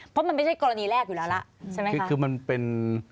เพราะมันไม่ใช่กรณีแรกอยู่แล้วล่ะใช่ไหมคือคือมันเป็น